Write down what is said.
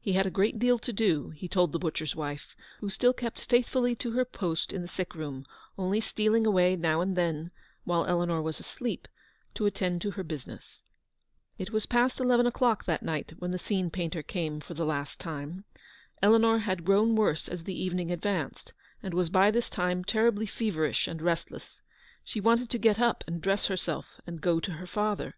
He had a great deal to do, he told the butcher's wife, who still kept faith fully to her post in the sick room, only stealing away now and then, while Eleanor was asleep, to attend to her business. It was past eleven o'clock that night when the scene painter came for the last time. Eleanor had grown worse as the evening advanced, and was by this time terribly feverish and restless. She wanted to get up and dress herself, and go to her father.